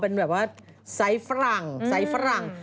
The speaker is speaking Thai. เป็นแบบว่าไซส์ฝรั่ง